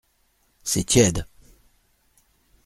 C’est tiède.